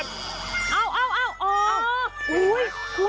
อุ้ยคุณ